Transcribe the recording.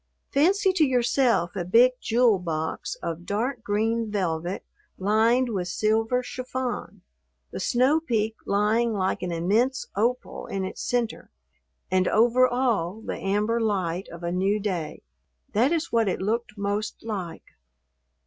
Fancy to yourself a big jewel box of dark green velvet lined with silver chiffon, the snow peak lying like an immense opal in its center and over all the amber light of a new day. That is what it looked most like.